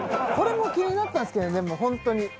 これも気になったんですけどでも本当に。